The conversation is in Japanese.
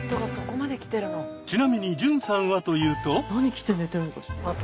ちなみに純さんはというと。